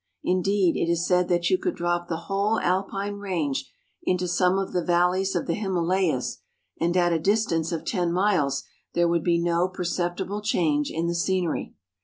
Indeed, it is said that you could drop the whole Alpine range into some of the valleys of the Himalayas, and at a distance of ten miles there would be no perceptible change in the scenery.